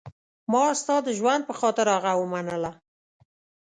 ما ستا د ژوند په خاطر هغه ومنله.